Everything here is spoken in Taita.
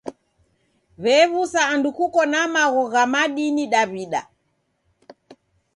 W'ew'usa andu kuko na magho gha madini Daw'ida.